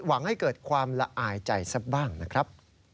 ให้เกิดความละอายใจซะบ้างนะครับ